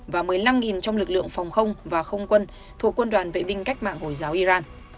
và một mươi năm trong lực lượng phòng không và không quân thuộc quân đoàn vệ binh cách mạng hồi giáo iran